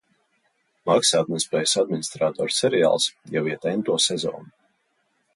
Maksātnespējas administratoru seriāls jau iet ento sezonu.